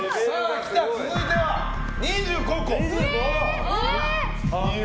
続いては２５個。